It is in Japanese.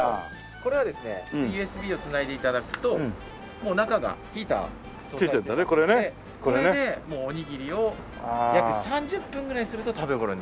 これはですねＵＳＢを繋いで頂くともう中がヒーター搭載してますのでこれでもうおにぎりを約３０分ぐらいすると食べ頃になります。